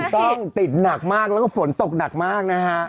ต้องติดหนักมากแล้วก็ฝนตกหนักมากนะฮะ